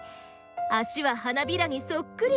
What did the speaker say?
脚は花びらにそっくり。